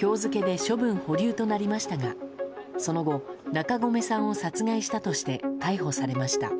今日付で処分保留となりましたがその後、中込さんを殺害したとして逮捕されました。